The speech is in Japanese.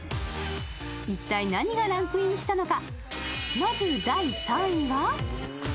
一体何がランクインしたのか？